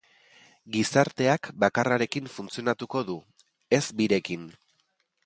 Gizarteak bakarrarekin funtzionatuko du, ez birekin.